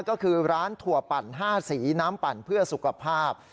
ก็คือร้านถั่วปั่น๕สีน้ำปั่นเพื่อสุขภาพ